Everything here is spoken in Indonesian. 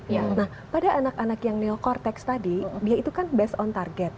nah pada anak anak yang neocortex tadi dia itu kan best on target